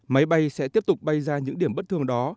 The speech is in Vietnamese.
máy bay sẽ tiếp tục bay ra những điểm bất thường đó